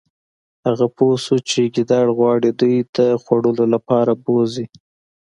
هغه پوه شو چې ګیدړ غواړي دوی د خوړلو لپاره بوزي